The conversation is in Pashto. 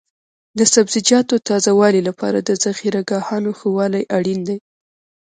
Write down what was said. د سبزیجاتو تازه والي لپاره د ذخیره ګاهونو ښه والی اړین دی.